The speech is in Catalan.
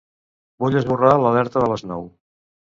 Vull esborrar l'alerta de les nou.